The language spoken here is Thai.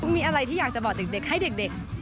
มีอะไรที่อยากจะบอกเด็กให้เด็ก